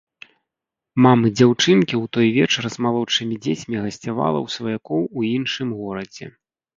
Мамы дзяўчынкі ў той вечар з малодшымі дзецьмі гасцявала ў сваякоў у іншым горадзе.